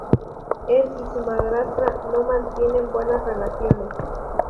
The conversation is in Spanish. Él y su madrastra no mantienen buenas relaciones.